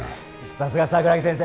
さすが桜木先生